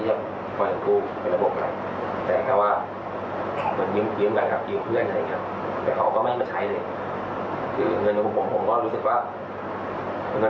แล้วคุณยังเงินขึ้นไปทำไมคุณไม่ใช้ผมเลย